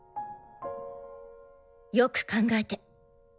よく考えて。